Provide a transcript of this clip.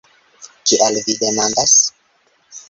Kial vi demandas?